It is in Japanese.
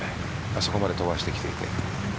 あそこまで飛ばしてきていて。